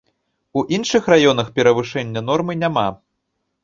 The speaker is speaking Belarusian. У іншых раёнах перавышэння нормы няма.